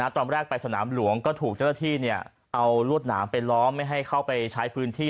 ตอนแรกไปสนามหลวงก็ถูกเจ้าหน้าที่เอารวดหนามไปล้อมไม่ให้เข้าไปใช้พื้นที่